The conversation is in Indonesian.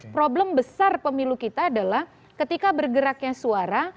problem besar pemilu kita adalah ketika bergeraknya suara